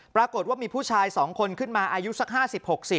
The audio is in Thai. ปรากฏว่ามีผู้ชาย๒คนขึ้นมาอายุสัก๕๐๖๐